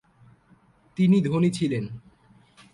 তিনি ধনী ছিলেন।